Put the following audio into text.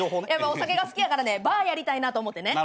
お酒が好きやからねバーやりたいなと思ってね。